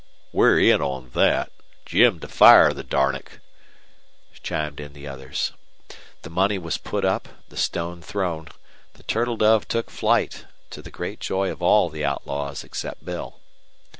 "We're in on thet, Jim to fire the darnick," chimed in the others. The money was put up, the stone thrown. The turtle dove took flight, to the great joy of all the outlaws except Bill.